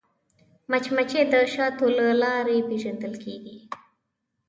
مچمچۍ د شاتو له لارې پیژندل کېږي